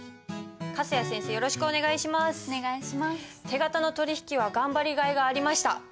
手形の取引は頑張りがいがありました。